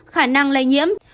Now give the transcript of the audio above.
khả năng lây nhiễm